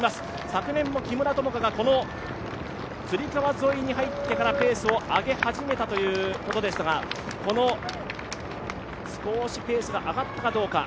昨年も木村友香が釣川沿いに入ってからペースを上げ始めたということですが少しペースが上がったかどうか。